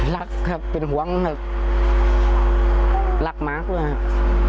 รักครับเป็นห่วงครับรักหมาด้วยครับ